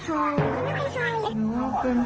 ฉันไม่ได้คิด